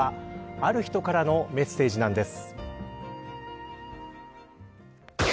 ある人からのメッセージなんです。